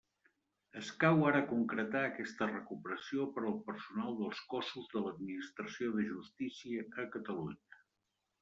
Escau ara concretar aquesta recuperació per al personal dels cossos de l'Administració de justícia a Catalunya.